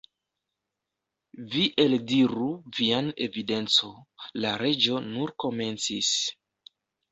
"Vi eldiru vian evidenco" la Reĝo nur komencis.